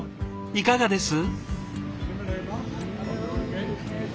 いかがです？